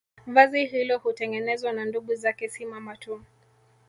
Vazi hilo hutengenezwa na ndugu zake si mama tu